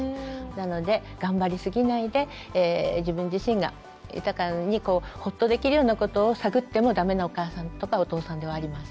なので頑張りすぎないで自分自身が豊かにホッとできるようなことを探ってもダメなお母さんとかお父さんではありません。